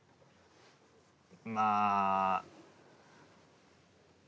まあ。